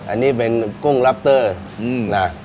อันนี้เป็นกุ้งลับเตอร์นะ